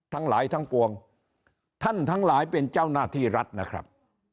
ทั้งหลายทั้งปวงท่านทั้งหลายเป็นเจ้าหน้าที่รัฐนะครับ